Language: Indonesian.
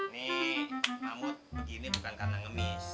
nih kamu begini bukan karena ngemis